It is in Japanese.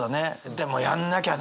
でもやんなきゃなって。